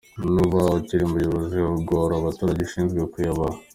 Ntuba ukiri umuyobozi iyo ugora abaturage ushinzwe kuyobora.